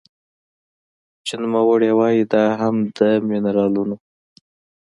چې نوموړې وايي دا هم د مېنرالونو